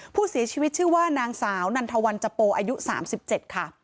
ผู้เสียชีวิตชื่อว่านางสาวนันทวันจโปอายุ๓๗ค่ะ